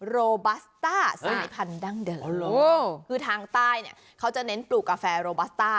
โรบัสต้าสายพันธั้งเดิมคือทางใต้เนี่ยเขาจะเน้นปลูกกาแฟโรบัสต้า